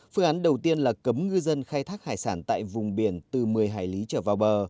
phương án đầu tiên là cấm ngư dân khai thác hải sản tại vùng biển từ một mươi hải lý trở vào bờ